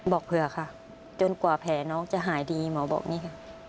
บอกเผื่อค่ะจนกว่าแผลน้องจะหายดีหมอบอกนี่ค่ะ